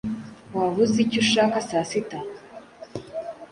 Waba uzi icyo ushaka saa sita?